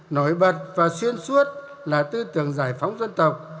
nổi bật và xuyên suốt là tư tưởng giải phóng dân tộc